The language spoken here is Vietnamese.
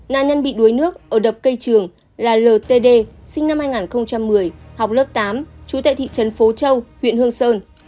nạn nhân bị đuối nước ở đập cây trường là l t d sinh năm hai nghìn một mươi học lớp tám trú tại thị trấn phố châu huyện hương sơn